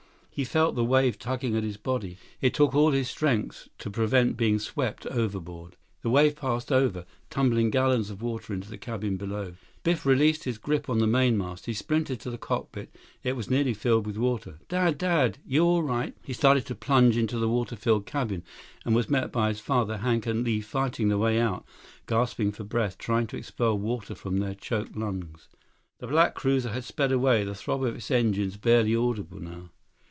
He felt the wave tugging at his body. It took all his strength to prevent being swept overboard. The wave passed on over, tumbling gallons of water into the cabins below. Biff released his grip on the mainmast. He sprinted to the cockpit. It was nearly filled with water. "Dad! Dad! You all right?" He started to plunge into the water filled cabin and was met by his father, Hank, and Li fighting their way out, gasping for breath, trying to expel water from their choked lungs. The black cruiser had sped away, the throb of its engines barely audible now.